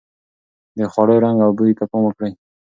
د خوړو رنګ او بوی ته پام وکړئ.